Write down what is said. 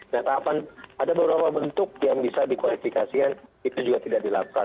nah tahapan ada beberapa bentuk yang bisa dikualifikasikan itu juga tidak dilakukan